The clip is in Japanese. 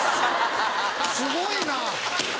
すごいな！